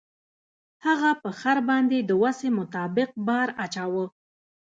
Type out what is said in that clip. هغه په خر باندې د وسې مطابق بار اچاوه.